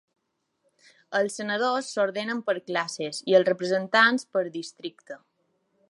Els senadors s'ordenen per classes i els representants per districte.